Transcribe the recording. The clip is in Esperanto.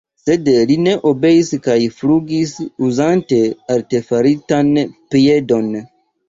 Sed li ne obeis kaj flugis, uzante artefaritan piedon.